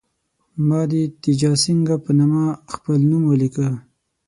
ما د تیجاسینګه په نامه خپل نوم ولیکه.